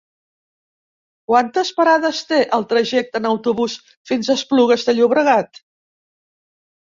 Quantes parades té el trajecte en autobús fins a Esplugues de Llobregat?